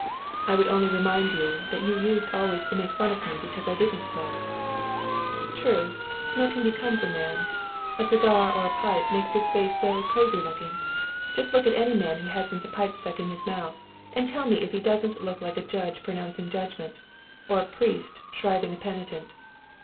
"I would only remind you that you used always to make fun of me because I didn't smoke." "True. Smoking becomes a man. A cigar or a pipe makes his face so cosy looking. Just look at any man who hasn't a pipe stuck into his mouth, and tell me if he doesn't look like a judge pronouncing judgment, or a priest shriving a penitent?